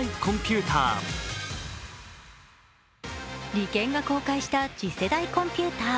理研が公開した次世代コンピューター。